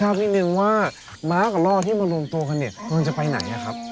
ไปเลยเดินทาง